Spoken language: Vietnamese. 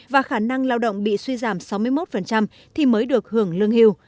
và khả năng lao động bị suy giảm sáu mươi một thì mới được hưởng lương hưu